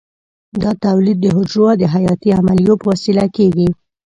دا تولید د حجرو د حیاتي عملیو په وسیله کېږي.